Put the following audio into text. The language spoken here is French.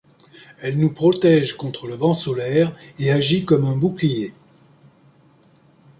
Elle nous protège contre le vent solaire et agit comme un bouclier.